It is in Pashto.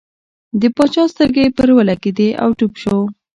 د باچا سترګې پر ولګېدې او ډوب شو.